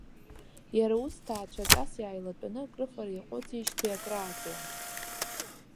Иара ус, ҭаацәаҵас, иааилатәаны акрыфара иаҟәыҵижьҭеи акрааҵуан.